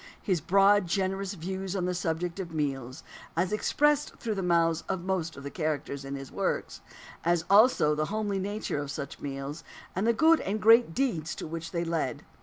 His broad, generous views on the subject of meals, as expressed through the mouths of most of the characters in his works; as also the homely nature of such meals, and the good and great deeds to which they led.